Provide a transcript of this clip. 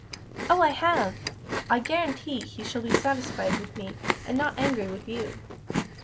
"Oh, I have! I guarantee he shall be satisfied with me and not angry with you.